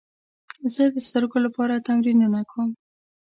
زه د سترګو لپاره تمرینونه کوم.